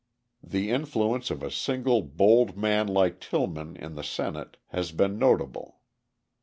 The influence of a single bold man like Tillman in the Senate has been notable.